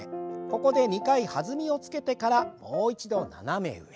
ここで２回弾みをつけてからもう一度斜め上。